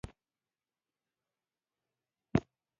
هرات د افغان ځوانانو لپاره ډېره دلچسپي لري.